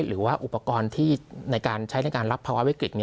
หรือว่าอุปกรณ์ที่ในการใช้ในการรับภาวะวิกฤต